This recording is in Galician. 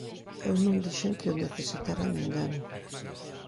Eu non dixen que o necesitara ninguén.